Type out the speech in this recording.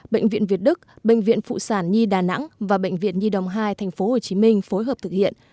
bệnh viện việt đức bệnh viện phụ sản nhi đà nẵng và bệnh viện nhi đồng hai tp hcm phối hợp thực hiện